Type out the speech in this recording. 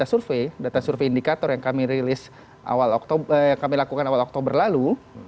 data survei data survei indikator yang kami lakukan awal oktober lalu